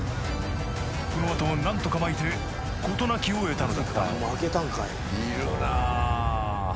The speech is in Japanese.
このあと何とかまいて事なきを得たのだった